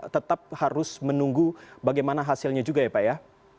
tetap harus menunggu bagaimana hasilnya juga ya pak ya